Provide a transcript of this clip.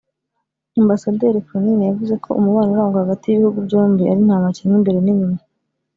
Ambasaderi Cronin yavuze ko umubano urangwa hagati y’ibihugu byombi ari nta makemwa imbere n’inyuma